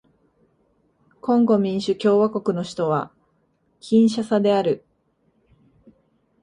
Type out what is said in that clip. コンゴ民主共和国の首都はキンシャサである